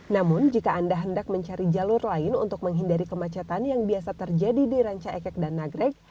namun jika anda hendak mencari jalur lain untuk menghindari kemacetan yang biasa terjadi di ranca ekek dan nagrek